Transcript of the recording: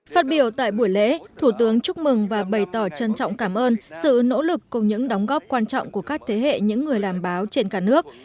phát biểu tại buổi lễ thủ tướng chúc mừng và bày tỏ trân trọng cảm ơn sự nỗ lực cùng những đóng góp quan trọng của các thế hệ những người làm báo trên cả nước